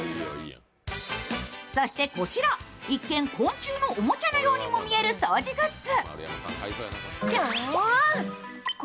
そしてこちら、一見昆虫のおもちゃのようにも見える掃除グッズ。